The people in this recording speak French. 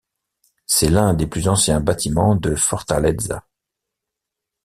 C'est l'un des plus anciens bâtiments de Fortaleza.